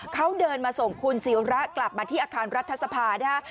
เขาเดินมาส่งคุณศิระกลับมาที่อาคารรัฐสภานะฮะ